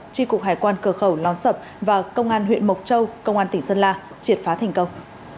tri cục hải quan cửa khẩu lón sập và công an huyện mộc châu công an tỉnh sơn la triệt phá thành công